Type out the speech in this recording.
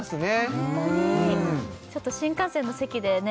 ホントにちょっと新幹線の席でね